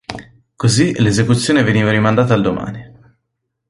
Così l'esecuzione veniva rimandata al domani.